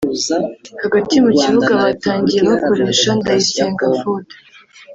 Hagati mu kibuga batangiye bakoresha Ndayisenga Fuad